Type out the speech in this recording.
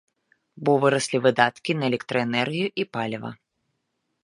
Бо выраслі выдаткі на электраэнергію і паліва.